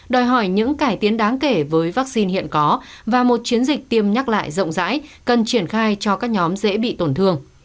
đòi hỏi những cải tiến đáng kể với vaccine hiện có và một chiến dịch tiêm nhắc lại rộng rãi cần triển khai cho các nhóm dễ bị tổn thương